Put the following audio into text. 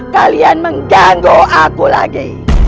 kalian mengganggu aku lagi